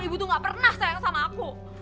ibu tuh gak pernah sayang sama aku